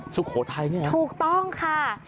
สุโขทัยเนี่ยเหรอถูกต้องค่ะ